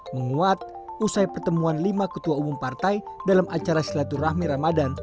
menguat usai pertemuan lima ketua umum partai dalam acara silaturahmi ramadan